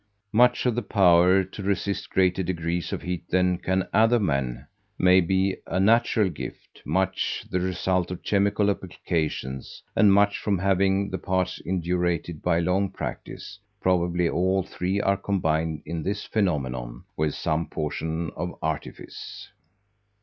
Much of the power to resist greater degrees of heat than can other men may be a natural gift, much the result of chemical applications, and much from having the parts indurated by long practice; probably all three are combined in this phenomenon, with some portion of artifice.